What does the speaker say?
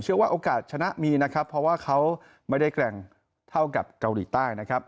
โอกาสชนะมีนะครับเพราะว่าเขาไม่ได้แกร่งเท่ากับเกาหลีใต้นะครับ